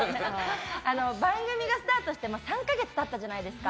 番組がスタートして３か月経ったじゃないですか。